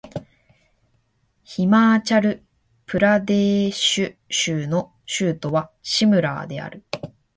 ヒマーチャル・プラデーシュ州の州都はシムラーである